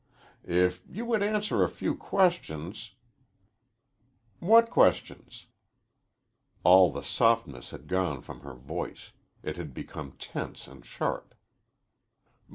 "If you would answer a few questions " "What questions?" All the softness had gone from her voice. It had become tense and sharp.